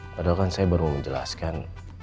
padahal kan saya baru menjelaskan